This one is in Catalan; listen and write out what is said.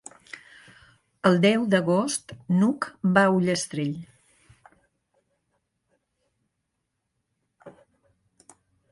El deu d'agost n'Hug va a Ullastrell.